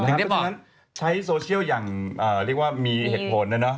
ตอนนั้นใช้โซเชียลอย่างเรียกว่ามีเหตุผลนะเนาะ